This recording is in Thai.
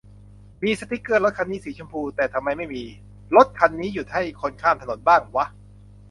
มีสติกเกอร์ "รถคันนี้สีชมพู" แต่ทำไมไม่มี "รถคันนี้หยุดให้คนข้ามถนน" บ้างวะ